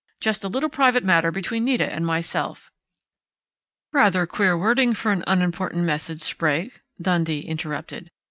Just a little private matter between Nita and myself " "Rather queer wording for an unimportant message, Sprague," Dundee interrupted.